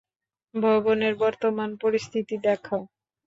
ভবনের বর্তমান পরিস্থিতি দেখাও।